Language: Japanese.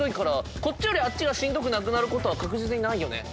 こっちよりあっちがしんどくなくなることは確実にないよね。